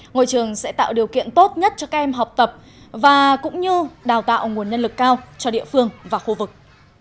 ngôi trường sẽ tạo điều kiện tốt nhất cho các em học tập và cũng như đào tạo nguồn nhân lực cao cho địa phương và khu vực